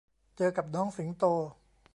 เจอกับน้องสิงโต